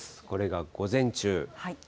これが午前中。